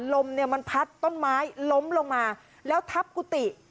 ลมเนี่ยมันพัดต้นไม้ล้มลงมาแล้วทับกุฏิ